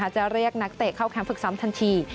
จะเรียกนักเตะเข้าแคมปึกซ้ำทันที